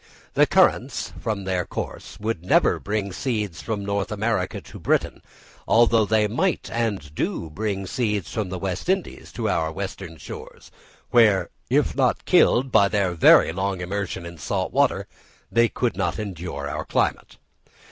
The currents, from their course, would never bring seeds from North America to Britain, though they might and do bring seeds from the West Indies to our western shores, where, if not killed by their very long immersion in salt water, they could not endure our climate.